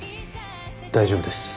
大丈夫です。